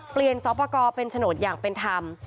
สอบประกอบเป็นโฉนดอย่างเป็นธรรม